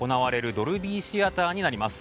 ドルビーシアターになります。